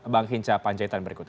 bang hinca panjaitan berikut ini